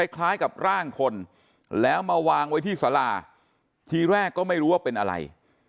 คล้ายกับร่างคนแล้วมาวางไว้ที่สาราทีแรกก็ไม่รู้ว่าเป็นอะไร